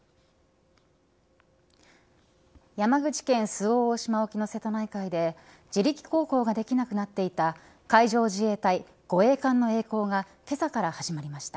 山口県周防大島沖の瀬戸内海で自力航行ができなくなっていた海上自衛隊護衛艦のえい航がけさから始まりました。